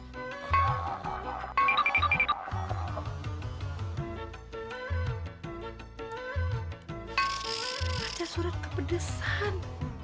baca surat kepedesan